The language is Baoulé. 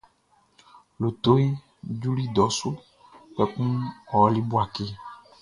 Lotoʼn juli dɔ su, kpɛkun ɔ ɔli Bouaké.